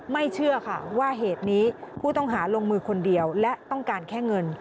เชื่อค่ะว่าเหตุนี้ผู้ต้องหาลงมือคนเดียวและต้องการแค่เงิน